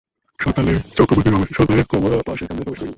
সকালেই চক্রবর্তী রমেশের সন্ধানে কমলার পাশের কামরায় প্রবেশ করিলেন।